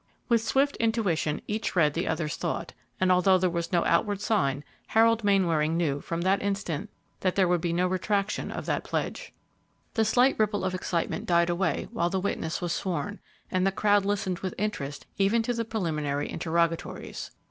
With swift intuition each read the other's thought, and, although there was no outward sign, Harold Mainwaring knew from that instant that there would be no retraction of that pledge. The slight ripple of excitement died away while the witness was sworn, and the crowd listened with interest even to the preliminary interrogatories.